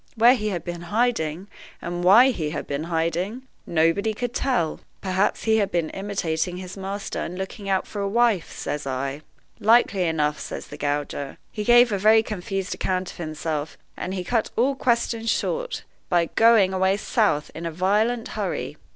Where he had been hiding, and why he had been hiding, nobody could tell.' 'Perhaps he had been imitating his master, and looking out for a wife,' says I. 'Likely enough,' says the gauger; 'he gave a very confused account of himself, and he cut all questions short by going away south in a violent hurry.